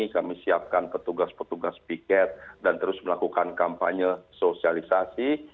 kami siapkan petugas petugas piket dan terus melakukan kampanye sosialisasi